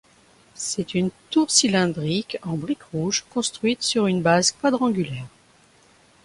C'est une tour cylindrique en briques rouges construite sur une base quadrangulaire.